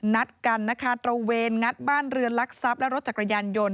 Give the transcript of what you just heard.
นัดกันนะคะตระเวนงัดบ้านเรือนลักทรัพย์และรถจักรยานยนต์